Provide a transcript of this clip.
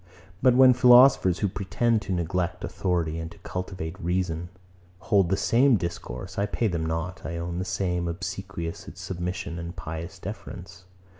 But when philosophers, who pretend to neglect authority, and to cultivate reason, hold the same discourse, I pay them not, I own, the same obsequious submission and pious deference.